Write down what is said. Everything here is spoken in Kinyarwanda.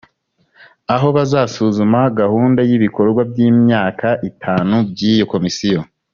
aho bazasuzuma gahunda y’ibikorwa by’imyaka itanu by’iyo komisiyo